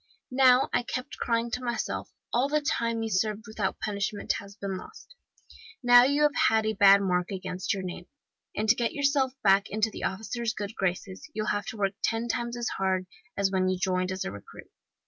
'Now,' I kept crying to myself, 'all the time you served without being punished has been lost. Now you have a bad mark against your name, and to get yourself back into the officers' good graces you'll have to work ten times as hard as when you joined as a recruit.